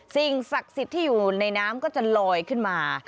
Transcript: สิ่งศักดิ์สิทธิ์ที่อยู่ในน้ำก็จะลอยขึ้นมา